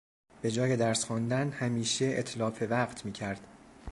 بهجای درس خواندن همیشه اتلاف وقت میکرد.